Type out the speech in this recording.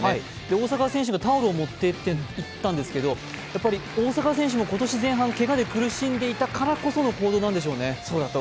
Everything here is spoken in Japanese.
大坂選手がタオルを持っていったんですけど大坂選手も今年前半けがで苦しんでいたからこその行動なんでしょうね。